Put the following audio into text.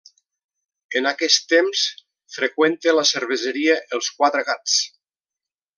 En aquest temps freqüenta la cerveseria Els Quatre Gats.